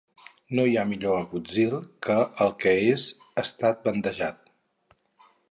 No hi ha millor agutzil que el que és estat bandejat.